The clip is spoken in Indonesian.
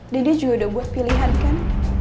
dede juga udah buat pilihan kan